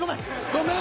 ごめん！